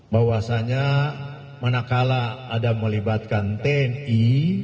bahwasannya manakala ada melibatkan tni